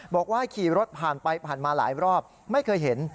บอกว่าขี่รถผ่านไปผ่านมาหลายรอบไม่เคยเห็น